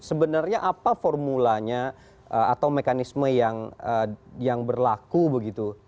sebenarnya apa formulanya atau mekanisme yang berlaku begitu